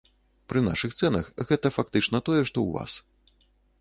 Пры нашых цэнах гэта фактычна тое, што ў вас.